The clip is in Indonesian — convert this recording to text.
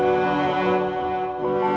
mama gak tau